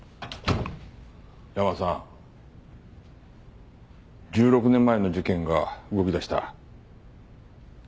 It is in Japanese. ヤマさん１６年前の事件が動き出した。